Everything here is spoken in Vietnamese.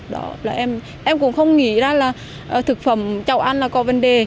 đó là em cũng không nghĩ ra là thực phẩm chậu ăn là có vấn đề